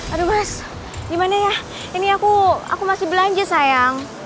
aduh mas gimana ya ini aku masih belanja sayang